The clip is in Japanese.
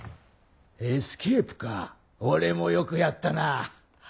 エスケープか俺もよくやったなぁ。